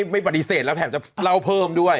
ไม่ปฏิเสธแล้วแถมจะเล่าเพิ่มด้วย